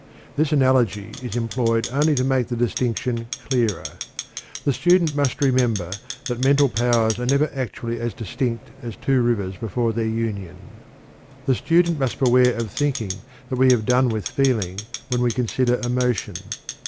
This analogy is employed only to make the distinction clearer. The student must remember that mental powers are never actually as distinct as two rivers before their union. The student must beware of thinking that we have done with feeling when we consider emotion.